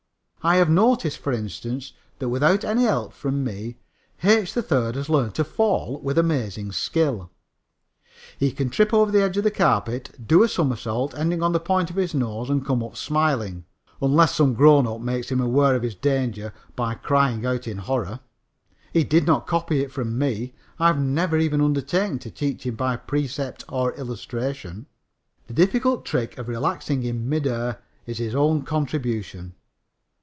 I have noticed, for instance, that without any help from me H. 3rd has learned to fall with amazing skill. He can trip over the edge of the carpet, do a somersault ending on the point of his nose and come up smiling, unless some grown up makes him aware of his danger by crying out in horror. He did not copy it from me. I have never even undertaken to teach him by precept or illustration. The difficult trick of relaxing in midair is his own contribution.